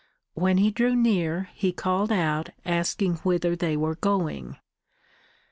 When he drew near he called out asking whither they were going.